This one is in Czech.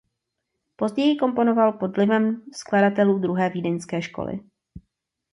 Později komponoval pod vlivem skladatelů Druhé vídeňské školy.